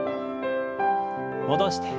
戻して。